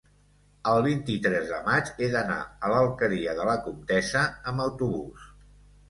El vint-i-tres de maig he d'anar a l'Alqueria de la Comtessa amb autobús.